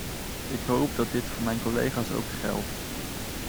Ik hoop dat dit voor mijn collega's ook geldt.